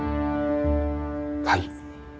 はい。